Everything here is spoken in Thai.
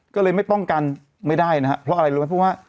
ก็เลยไม่ป้องกันไม่ได้นะครับเพราะอะไรรู้ไหมเพราะว่า